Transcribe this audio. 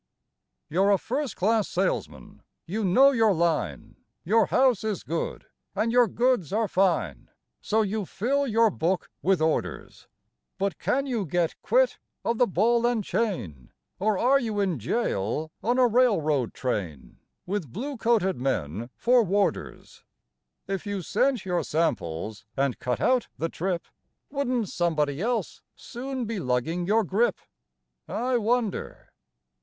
You're a first class salesman. You know your line; Your house is good and your goods are fine, So you fill your book with orders, But can you get quit of the ball and chain, Or are you in jail on a railroad train, With blue coated men for warders? If you sent your samples and cut out the trip, Wouldn't somebody else soon be lugging your grip, I wonder?